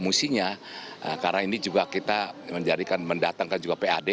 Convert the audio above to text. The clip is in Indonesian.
mestinya karena ini juga kita menjadikan mendatangkan juga pad